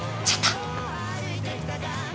ちょっと。